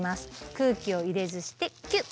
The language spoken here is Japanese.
空気を入れずしてキュッ。